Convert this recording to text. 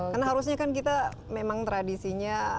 karena harusnya kan kita memang tradisinya